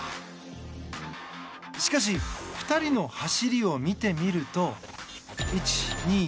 しかし２人の走りを見てみると。